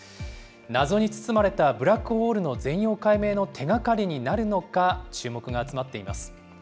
謎に包まれたブラックホールの全容解明の手がかりになるのか、注目が集まっています。